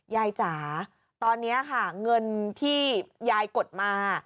จ๋าตอนนี้ค่ะเงินที่ยายกดมา